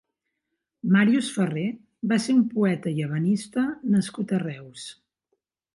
Màrius Ferré va ser un poeta i ebenista nascut a Reus.